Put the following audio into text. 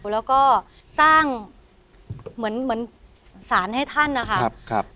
แล้วก็สร้างเหมือนเหมือนสารให้ท่านนะคะครับ